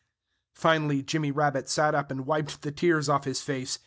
Finally Jimmy Rabbit sat up and wiped the tears off his face.